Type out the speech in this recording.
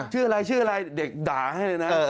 ชื่ออะไรเด็กด่าให้เลยนะ